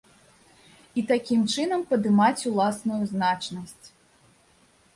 І такім чынам падымаць уласную значнасць.